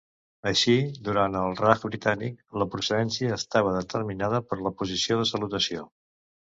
Així, durant el "Raj britànic", la precedència estava determinada per la posició de salutació.